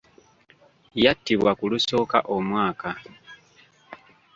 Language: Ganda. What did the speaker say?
Yattibwa ku lusooka omwaka.